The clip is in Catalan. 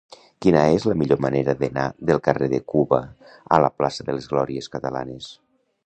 Quina és la millor manera d'anar del carrer de Cuba a la plaça de les Glòries Catalanes?